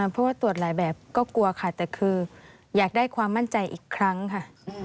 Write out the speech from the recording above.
เพราะว่าตรวจหลายแบบก็กลัวค่ะแต่คืออยากได้ความมั่นใจอีกครั้งค่ะ